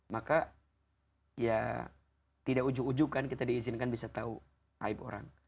maka ya tidak ujuk ujukan kita diizinkan bisa tahu aib orang